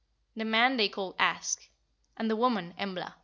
The man they called Ask, and the woman, Embla.